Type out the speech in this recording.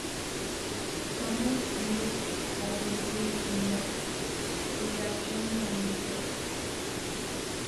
"Sonic Youth" has received a mixed reception from critics.